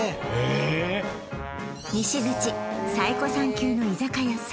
え西口最古参級の居酒屋